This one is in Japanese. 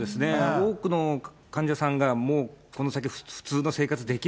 多くの患者さんが、もうこの先、普通の生活でき